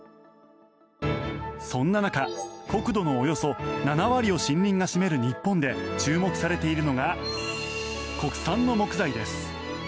そんな中、国土のおよそ７割を森林が占める日本で注目されているのが国産の木材です。